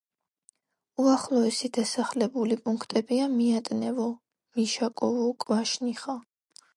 უახლოესი დასახლებული პუნქტებია: მიატნევო, მიშაკოვო, კვაშნიხა.